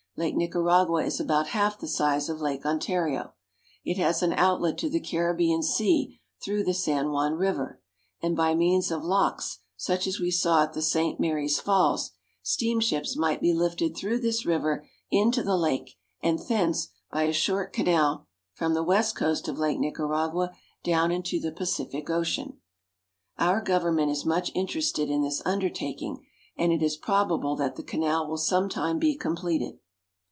Lake Nicaragua is about half the size of Lake Ontario. It has an outlet to the Caribbean Sea through the San Juan River, and, by means of locks such as we saw at the St. Marys Falls, steamships might be lifted through this river into the lake, and thence, by a short canal, from the west coast of Lake Nicaragua down into the Pacific Ocean. Our government is much interested in this undertaking, and it is probable that the canal will sometime be completed.